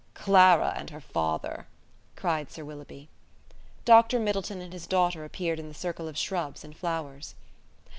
"Clara and her father!" cried Sir Willoughby. Dr Middleton and his daughter appeared in the circle of shrubs and flowers.